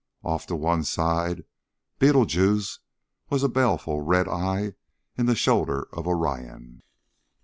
Off to one side Betelgeuse was a baleful red eye in the shoulder of Orion.